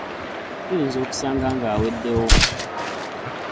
Tuyinza okusanga ng’aweddewo.